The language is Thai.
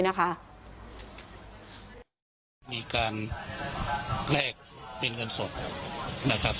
มีการแกล้งเป็นเงินสด